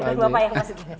bapak yang masukin